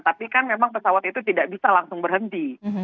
tapi kan memang pesawat itu tidak bisa langsung berhenti